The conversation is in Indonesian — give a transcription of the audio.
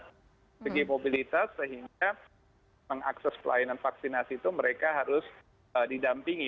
dari segi mobilitas sehingga mengakses pelayanan vaksinasi itu mereka harus didampingi